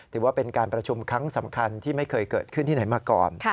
ถือว่าเป็นการประชุมครั้งสำคัญที่ไม่เคยเกิดขึ้นที่ไหนมาก่อน